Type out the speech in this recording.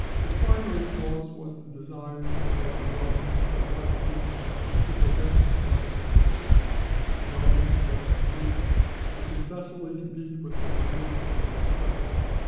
Its primary cause was the desire of both the Romans and the Carthaginians to possess themselves of Sicily. The Romans form a fleet, and successfully compete with the marine of Carthage.